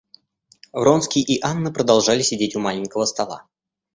Вронский и Анна продолжали сидеть у маленького стола.